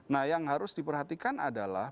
nah yang harus diperhatikan adalah